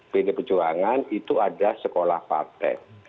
bd pejuangan itu ada sekolah parten